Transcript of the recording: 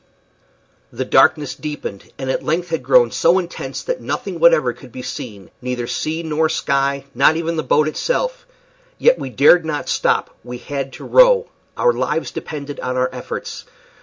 The darkness deepened and at length had grown so intense that nothing whatever could be seen neither sea nor sky, not even the boat itself yet we dared not stop; we had to row. Our lives depended on our efforts.